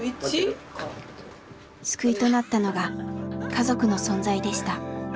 救いとなったのが家族の存在でした。